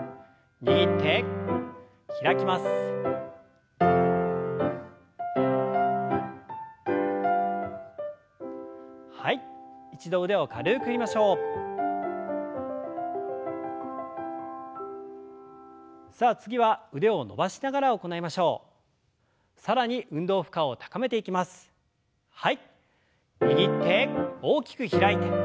握って大きく開いて。